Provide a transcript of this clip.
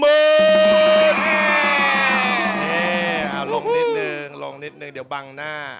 นี่ลงนิดนึงลงนิดนึงเดี๋ยวบังหน้า